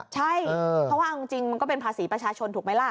ใช่เพราะว่าเอาจริงมันก็เป็นภาษีประชาชนถูกไหมล่ะ